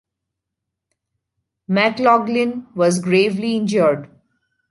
McLoughlin was gravely injured.